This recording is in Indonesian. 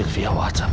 kak sylvia whatsapp